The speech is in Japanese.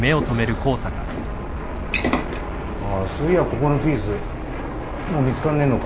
ああそういやここのピースもう見つかんねえのか？